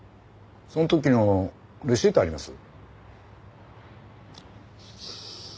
その時のレシートあります？